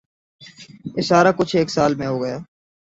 یہ سارا کچھ ایک سال میں ہو گیا ہے۔